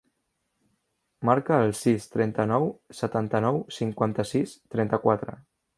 Marca el sis, trenta-nou, setanta-nou, cinquanta-sis, trenta-quatre.